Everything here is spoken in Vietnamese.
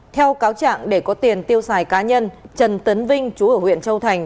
theo cáo trạng để có tiền tiêu xài cá nhân trần tấn vinh chú ở huyện châu thành